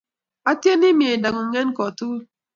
Atieni mie-mdang'ung'. En ko tugul